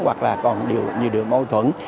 hoặc là còn nhiều điều mâu thuẫn